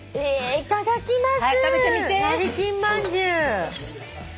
いただきます。